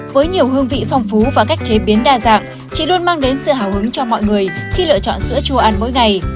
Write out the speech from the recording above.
với nhiều hương vị phong phú và cách chế biến đa dạng chị luôn mang đến sự hào hứng cho mọi người khi lựa chọn sữa chua ăn mỗi ngày